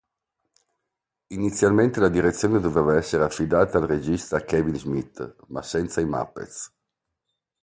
Inizialmente la direzione doveva essere affidata la regista Kevin Smith ma senza i Muppets.